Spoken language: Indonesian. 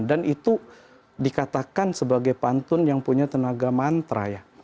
dan itu dikatakan sebagai pantun yang punya tenaga mantra